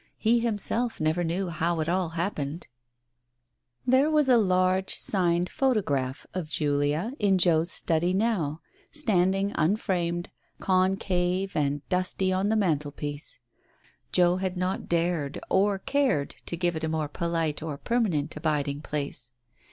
He himself never knew how it all happened ! There was a large signed photograph of Julia in Joe's study now, standing unframed, concave and dusty on the mantelpiece ; Joe had not dared, or cared, to give it a more polite or permanent abiding place.